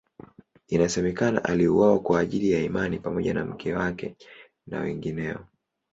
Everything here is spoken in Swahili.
Inasemekana aliuawa kwa ajili ya imani pamoja na mke wake na wengineo.